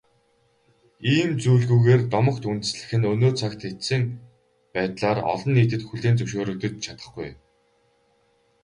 Ийм зүйлгүйгээр домогт үндэслэх нь өнөө цагт эцсийн байдлаар олон нийтэд хүлээн зөвшөөрөгдөж чадахгүй.